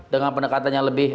dengan pendekatan yang lebih